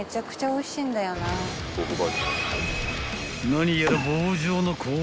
［何やら］